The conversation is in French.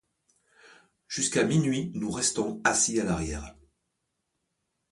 Jusqu’à minuit, nous restons assis à l’arrière.